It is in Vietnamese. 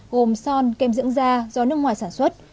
gồm son kem dưỡng da do nước ngoài sản xuất